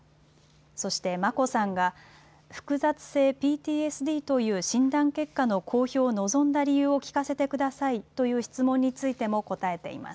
そして、眞子さんが、複雑性ＰＴＳＤという診断結果の公表を望んだ理由を聞かせてくださいという質問についても答えています。